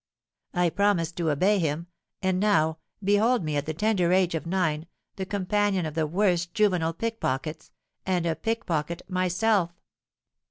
"I promised to obey him; and now, behold me at the tender age of nine, the companion of the worst juvenile pickpockets, and a pickpocket myself!